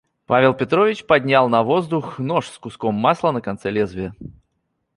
Павел Петрович поднял на воздух нож с куском масла на конце лезвия.